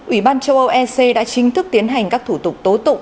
ủy ban châu âu ec đã chính thức tiến hành các thủ tục tố tụng